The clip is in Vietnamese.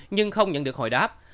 nhưng không nhận được hỏi đáp